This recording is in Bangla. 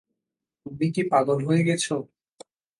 তুমি কি পাগল হয়ে গেছ?